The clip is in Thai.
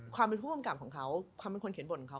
ความเป็นผู้กำกับของเขาความเป็นคนเขียนบทของเขา